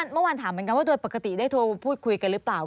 เมื่อวานถามเหมือนกันว่าโดยปกติได้โทรพูดคุยกันหรือเปล่า